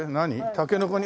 たけのこに。